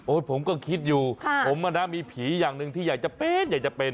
ผมก็คิดอยู่ผมมีผีอย่างหนึ่งที่อยากจะเป็นอยากจะเป็น